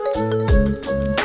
dari mana lagi